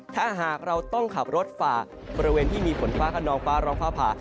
ถ้าหากเราต้องขับรถฝ่าบริเวณที่มีฝนฟ้าขนองฟ้าร้องฟ้าผ่า